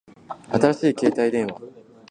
新しい携帯電話